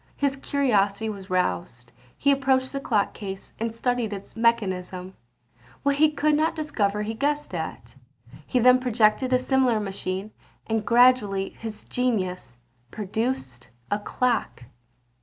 His curiosity was roused; he approached the clock case, and studied its mechanism; what he could not discover he guessed at. He then projected a similar machine; and gradually his genius produced a clock.